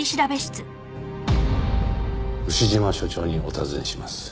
牛島署長にお尋ねします。